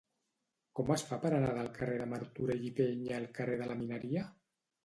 Com es fa per anar del carrer de Martorell i Peña al carrer de la Mineria?